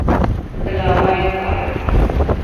Allama Iqbal